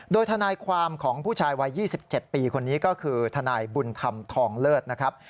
โดยทนายความของผู้ชายวัย๒๗ปีคนนี้ก็คือทนายบุญธรรมทองเลิศนะครับ